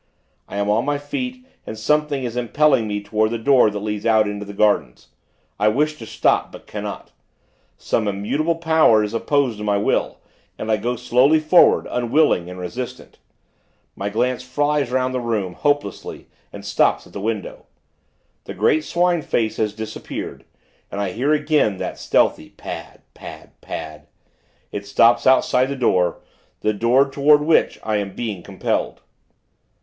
I am on my feet, and something is impelling me toward the door that leads out into the gardens. I wish to stop; but cannot. Some immutable power is opposed to my will, and I go slowly forward, unwilling and resistant. My glance flies 'round the room, helplessly, and stops at the window. The great swine face has disappeared, and I hear, again, that stealthy pad, pad, pad. It stops outside the door the door toward which I am being compelled....